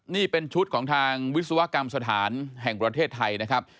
นี่เป็นชุดของทางวิศวกรรมสถานแห่งประเทศไทยนะครับ